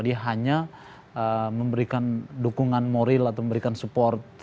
dia hanya memberikan dukungan moral atau memberikan support